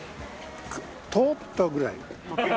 通ったぐらい。